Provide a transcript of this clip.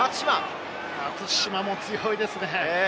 松島も強いですね。